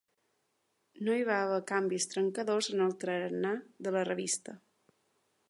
No hi va haver canvis trencadors en el tarannà de la revista.